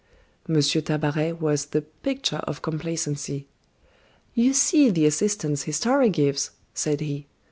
M. Tabaret was the picture of complacency. "You see the assistance history gives," said he.